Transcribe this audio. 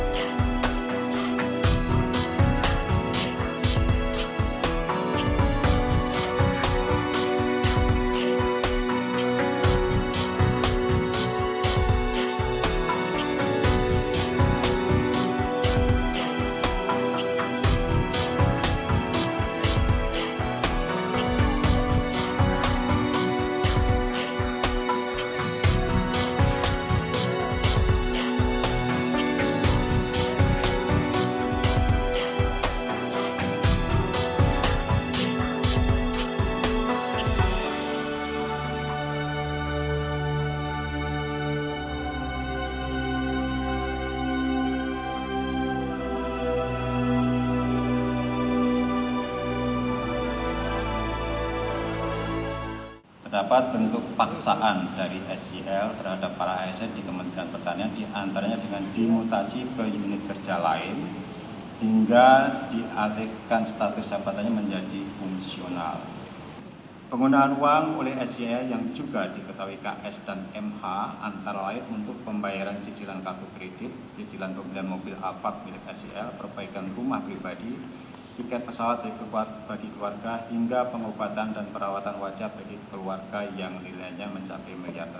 jangan lupa like share dan subscribe channel ini untuk dapat info terbaru dari kami